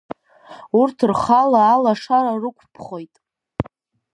Урҭ рхала алашара рықәԥхоит.